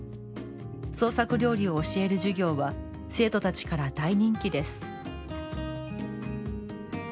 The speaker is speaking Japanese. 創作料理を教える授業は、生徒たちから大人気です。